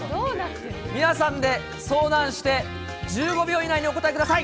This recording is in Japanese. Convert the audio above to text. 皆さんで相談して１５秒以内にお答えください。